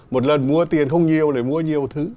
một lần mua tiền không nhiều để mua nhiều thứ